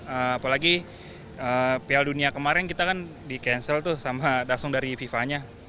apalagi piala dunia kemarin kita kan di cancel tuh sama dasung dari fifa nya